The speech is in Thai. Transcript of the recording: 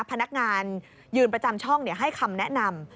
พนักงานยืนประจำช่องให้คำแนะนำ